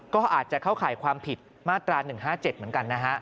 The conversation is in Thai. ก็อาจจะเข้าข่ายความผิดมาตรา๑๕๗เหมือนกันนะฮะ